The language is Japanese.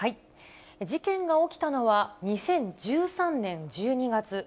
事件が起きたのは、２０１３年１２月。